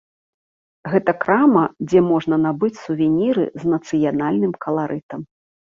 Гэта крама, дзе можна набыць сувеніры з нацыянальным каларытам.